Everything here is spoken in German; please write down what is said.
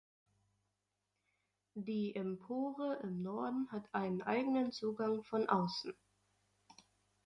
Die Empore im Norden hat einen eigenen Zugang von außen.